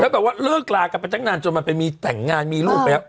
แบบว่าเลิกลากันไปตั้งนานจนมันไปมีแต่งงานมีลูกไปแล้ว